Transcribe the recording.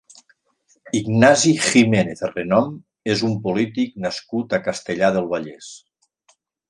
Ignasi Giménez Renom és un polític nascut a Castellar del Vallès.